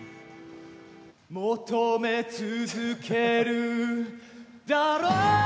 「求め続けるだろ」